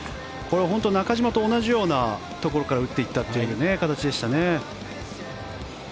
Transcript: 中島と同じようなところから打っていった形でした。